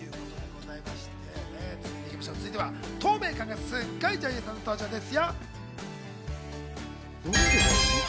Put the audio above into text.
続いては透明感がすごい女優さんの登場です。